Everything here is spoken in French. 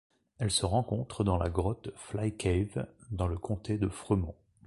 Elle se rencontre dans la grotte Fly Cave dans le comté de Fremont.